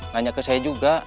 nanya ke saya juga